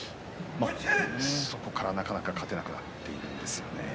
そこからなかなか勝てなくなっているんですよね。